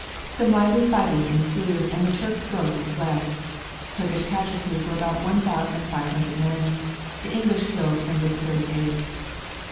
Some lively fighting ensued and the Turks broke and fled. Turkish casualties were about one thousand five hundred men, the English killed numbered thirty eight.